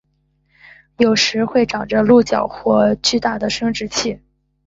有时会长着鹿角或巨大的生殖器。